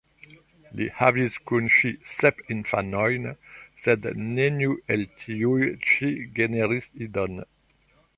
Li havis kun ŝi sep infanojn, sed neniu el tiuj ĉi generis idon.